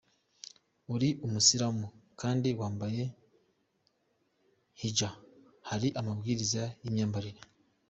Uri Umusilamu kandi wambaye hijab, hari amabwiriza y’imyambarire ?